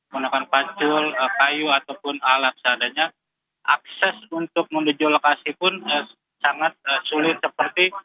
menggunakan pacul kayu ataupun alat seadanya akses untuk menuju lokasi pun sangat sulit seperti